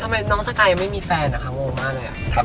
ทำไมน้องสกายยังไม่มีแฟนนะคะงงมากเลย